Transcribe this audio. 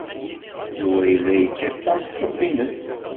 Yuba yella yekkat tameṭṭut-nnes.